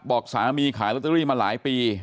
บอกสามีขายลอตเตอรี่มาหลายปี